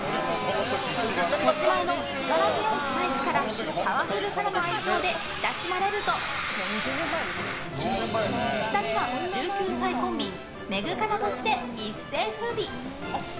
持ち前の力強いスパイクからパワフル・カナの愛称で親しまれると２人は１９歳コンビメグカナとして一世風靡！